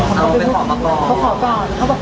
เอาเป็นข้อประกอบ